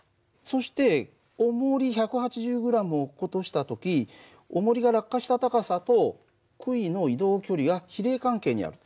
そしておもり１８０ｇを落っことした時おもりが落下した高さとくいの移動距離は比例関係にある。